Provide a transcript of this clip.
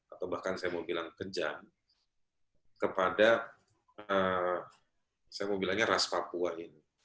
atau bahkan saya mau bilang kejam kepada saya mau bilangnya ras papua ini